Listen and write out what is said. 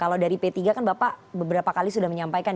kalau dari p tiga kan bapak beberapa kali sudah menyampaikan